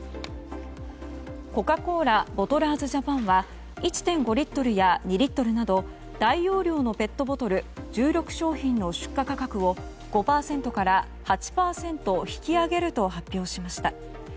コカ・コーラボトラーズジャパンは１．５リットルや２リットルなど大容量のペットボトル１６商品の出荷価格を５％から８％引き上げると発表しました。